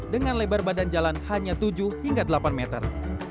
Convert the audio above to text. dengan lebar badan jalan hanya tujuh hingga delapan meter